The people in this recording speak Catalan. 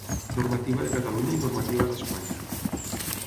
Normativa de Catalunya i normativa d'Espanya.